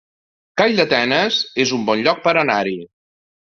Calldetenes es un bon lloc per anar-hi